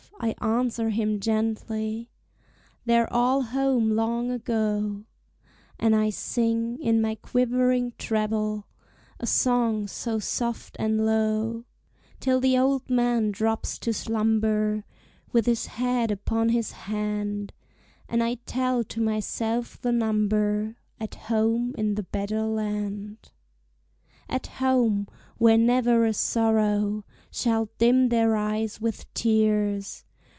I answer him gently, "They're all home long ago;" And I sing, in my quivering treble, A song so soft and low, Till the old man drops to slumber, With his head upon his hand, And I tell to myself the number At home in the better land. At home, where never a sorrow Shall dim their eyes with tears!